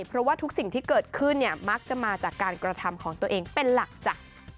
เพราะว่าทุกสิ่งที่เกิดขึ้นเนี่ยมักจะมาจากการกระทำของตัวเองเป็นหลักจ้ะ